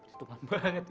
situan banget ya